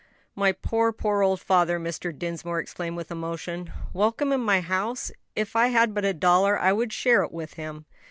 "My poor, poor old father!" Mr. Dinsmore exclaimed, with emotion. "Welcome in my house? If I had but a dollar, I would share it with him."